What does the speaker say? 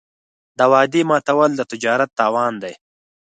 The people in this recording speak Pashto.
د وعدې ماتول د تجارت تاوان دی.